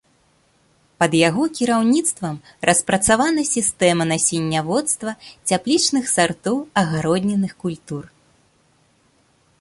Пад яго кіраўніцтвам распрацавана сістэма насенняводства цяплічных сартоў агароднінных культур.